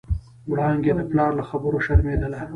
وړانګې د پلار له خبرو شرمېدله.